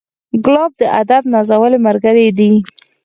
ګلاب د ادب نازولی ملګری دی.